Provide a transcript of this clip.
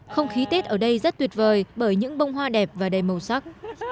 không khí tết ở đây rất tuyệt vời bởi những bông hoa đẹp và đầy màu sắc